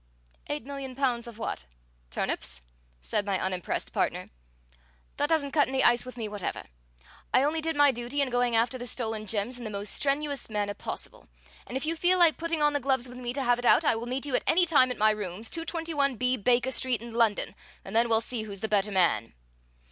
"Eight million pounds of what? Turnips?" said my unimpressed partner. "That doesn't cut any ice with me whatever! I only did my duty in going after the stolen gems in the most strenuous manner possible, and if you feel like putting on the gloves with me to have it out, I will meet you at any time at my rooms, 221 B Baker Street, in London, and then we'll see who's the better man."